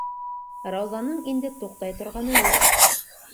Раузаның инде туҡтай торғаны юҡ.